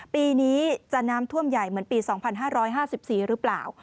ปีนี้จะน้ำท่วมใหญ่เหมือนปี๒๕๕๔หรือเปล่า